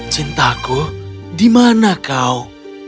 cintaku di mana kau